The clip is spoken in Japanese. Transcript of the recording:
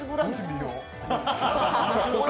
見よう。